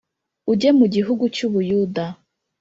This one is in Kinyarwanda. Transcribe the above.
ujye mu gihugu cy u buyuda